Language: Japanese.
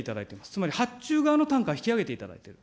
つまり発注側の単価を引き上げていただいている。